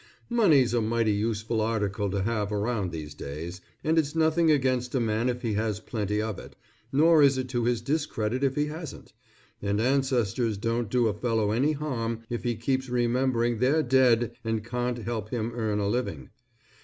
Money's a mighty useful article to have around these days, and it's nothing against a man if he has plenty of it, nor is it to his discredit if he hasn't and ancestors don't do a fellow any harm if he keeps remembering they're dead and can't help him earn a living.